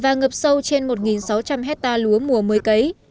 và ngập sâu trên một sáu trăm linh hectare lúa mùa mới cấy